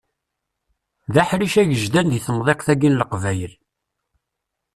D aḥric agejdan deg temḍiqt-agi n Leqbayel.